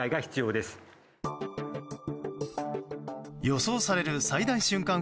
予想される最大瞬間